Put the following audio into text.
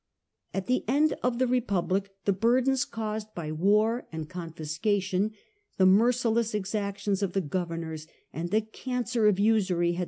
At the end of the Republic the burdens caused by war and confiscation, the merciless exactions of the General governors, and the cancer of usury had well being.